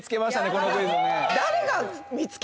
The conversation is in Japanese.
このクイズもね。